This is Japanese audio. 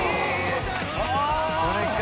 これか！